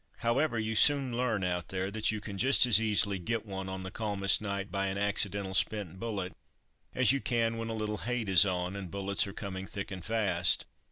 However, you soon learn out there that you can just as easily "get one" on the calmest night by an accidental spent bullet as you can when a little hate is on, and bullets are coming thick and fast.